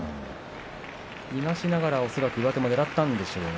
いなしながら、恐らく上手もねらったんでしょうが。